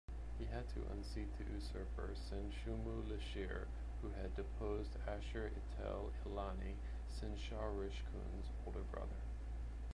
He had to unseat the usurper Sin-shumu-lishir, who had deposed Ashur-etil-ilani, Sinsharishkun's older brother.